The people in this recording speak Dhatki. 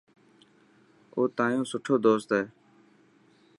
او تايون سٺو دوست هي.